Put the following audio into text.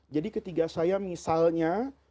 jadi ketika saya misalnya